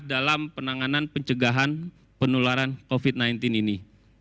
dalam penanganan pencegahan penularan covid sembilan belas ini